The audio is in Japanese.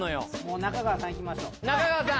仲川さんいきましょう仲川さん